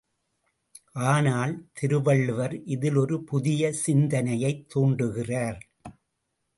ஆனால், திருவள்ளுவர் இதில் ஒரு புதிய சிந்தனையைத் தூண்டுகிறார்!